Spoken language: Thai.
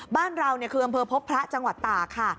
บ้านเราคืออำเภอพบพระจังหวัดตากค่ะ